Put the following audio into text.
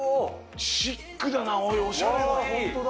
シックだな、おい、おしゃれ本当だ。